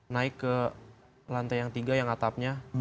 naik ke lantai yang tiga yang atapnya